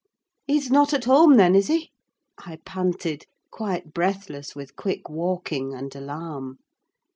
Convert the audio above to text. "He is not at home then, is he?" I panted, quite breathless with quick walking and alarm.